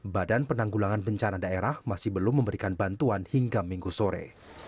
badan penanggulangan bencana daerah masih belum memberikan bantuan hingga minggu sore